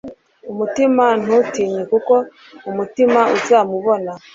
umutima, ntutinye, kuko, umutima, uzamubona